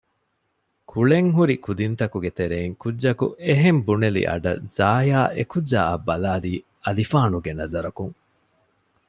ކުޅެން ހުރި ކުދިންތަކުގެ ތެރެއިން ކުއްޖަކު އެހެން ބުނެލި އަޑަށް ޒާޔާ އެކުއްޖާއަށް ބަލާލީ އަލިފާނުގެ ނަޒަރަކުން